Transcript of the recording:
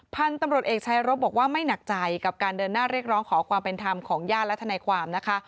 พันธุ์ตำรวจเอกชายรบบอกว่าไม่หนักใจกับการเดินหน้าเรียกร้องขอความเป็นธรรมของญาติและทนายความนะคะ